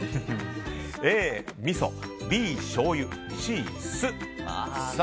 Ａ、みそＢ、しょうゆＣ、酢。